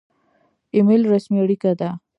ایمیل رسمي اړیکه ده